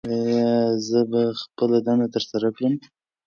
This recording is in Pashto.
ایا زه به خپله دنده ترسره کړم؟